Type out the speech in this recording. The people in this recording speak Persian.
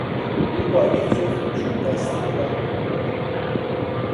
او با یک جفت چوبدستی راه میرود.